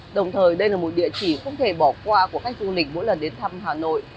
đồng thời đây là một địa chỉ không thể bỏ qua của khách du lịch mỗi lần đến thăm hà nội